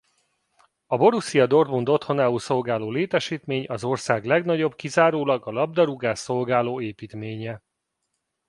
A Borussia Dortmund otthonául szolgáló létesítmény az ország legnagyobb kizárólag a labdarúgást szolgáló építménye.